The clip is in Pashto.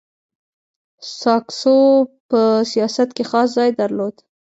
ساکزو په سیاست کي خاص ځای درلود.